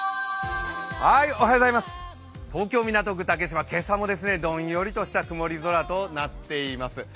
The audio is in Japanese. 東京・港区竹芝、今朝もどんよりとした曇り空となっています。